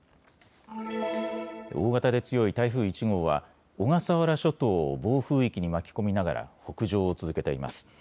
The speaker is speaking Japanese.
大型で強い台風１号は小笠原諸島を暴風域に巻き込みながら北上を続けています。